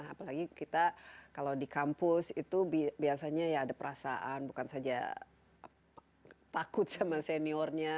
apalagi kita kalau di kampus itu biasanya ya ada perasaan bukan saja takut sama seniornya